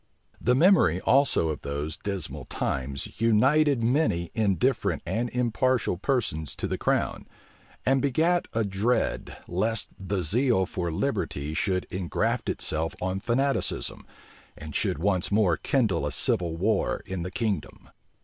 The memory also of those dismal times united many indifferent and impartial persons to the crown, and begat a dread lest the zeal for liberty should ingraft itself on fanaticism, and should once more kindle a civil war in the kingdom.